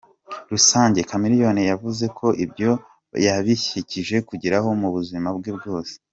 rusange, Chameleone yavuze ko ibyo yabashije kugeraho mu buzima bwe bwose.